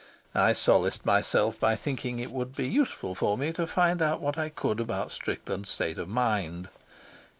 I solaced myself by thinking that it would be useful for me to find out what I could about Strickland's state of mind.